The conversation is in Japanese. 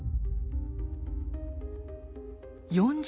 ４０